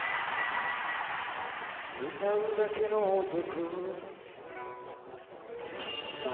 歌うだけの男。